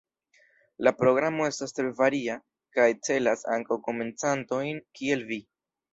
La programo estas tre varia kaj celas ankaŭ komencantojn kiel vi.